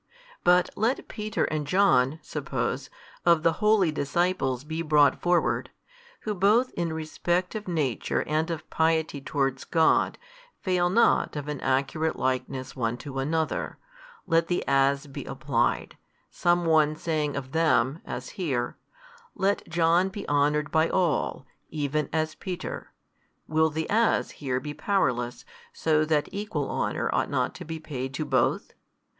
But let Peter and John (suppose) of the holy disciples be brought forward, who both in respect of nature and of piety towards God, fail not of an accurate likeness one to another, let the As be applied, some one saying of them, as here, Let John be honoured by all, even as Peter, will the As here be powerless, so that equal honour ought not to be paid to both?